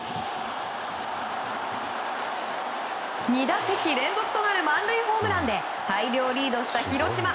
２打席連続となる満塁ホームランで大量リードした広島。